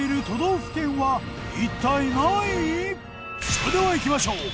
それではいきましょう。